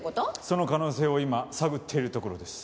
その可能性を今探っているところです。